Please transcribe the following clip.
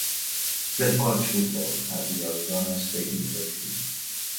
He played college football at the Arizona State University.